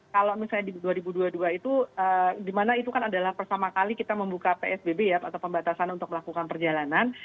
kalau misalnya di dua ribu dua puluh dua itu dimana itu kan adalah pertama kali kita membuka psbb ya atau pembatasan untuk melakukan perjalanan